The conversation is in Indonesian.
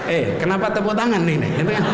eh kenapa tepuk tangan ini